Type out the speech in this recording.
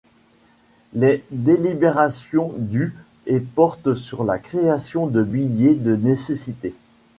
Les délibérations du et porte sur la création de billets de nécessité.